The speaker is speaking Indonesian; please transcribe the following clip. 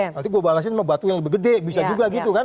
nanti gue balesin sama batu yang lebih gede bisa juga gitu kan